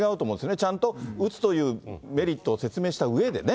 ちゃんと打つというメリットを説明したうえでね。